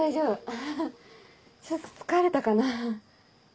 アハハちょっと疲れたかな。